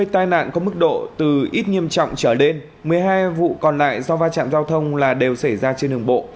tai nạn có mức độ từ ít nghiêm trọng trở lên một mươi hai vụ còn lại do va chạm giao thông là đều xảy ra trên đường bộ